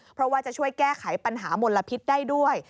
เพราะว่าจะช่วยแก้ไขปัญหามลพิษได้ด้วย